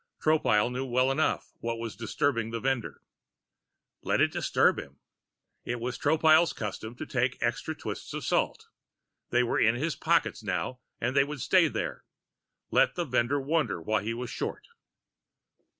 Tropile knew well enough what was disturbing the vendor. Let it disturb him. It was Tropile's custom to take extra twists of salt. They were in his pockets now; they would stay there. Let the vendor wonder why he was short.